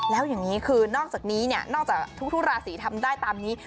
แล้วอย่างนี้คือนอกจากนี้เนี่ยนอกจากทุกราศีทำได้ตามนี้